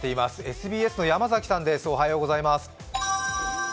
ＳＢＳの山崎さんです。